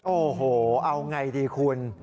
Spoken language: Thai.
โอ้โหเอาไงดีคุณ